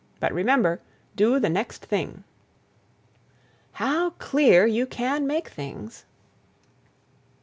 But remember, do the next thing!" "How clear you can make things!"